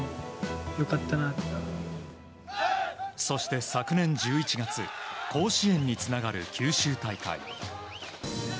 そして、昨年１１月甲子園につながる九州大会。